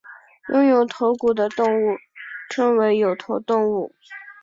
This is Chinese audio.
拥有头骨的动物称为有头动物。